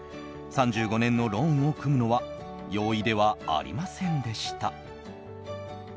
３５年のローンを組むのは容易ではありませんでした。